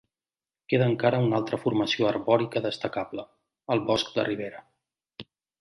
Queda encara una altra formació arbòria destacable, el bosc de ribera.